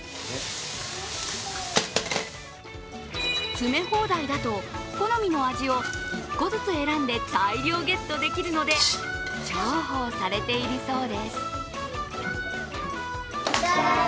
詰め放題だと、好みの味を１個ずつ選んで大量ゲットできるので重宝されているそうです。